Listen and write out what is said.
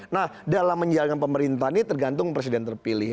nah dalam menjalankan pemerintahan ini tergantung presiden terpilih